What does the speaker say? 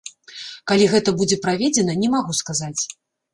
Калі гэта будзе праведзена, не магу сказаць.